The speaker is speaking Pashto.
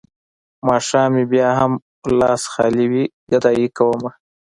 ماښام مې بيا هم لاس خالي وي ګدايي کومه.